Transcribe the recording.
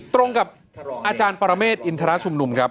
ตรงกับอาจารย์ปรเมฆอินทรชุมนุมครับ